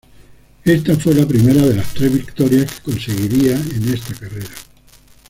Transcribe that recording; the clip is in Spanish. Esta fue la primera de las tres victorias que conseguiría en esta carrera.